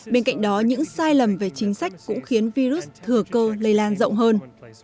bên cạnh đó những sai lầm về chính sách cũng khiến virus thừa cơ lây lan rộng hơn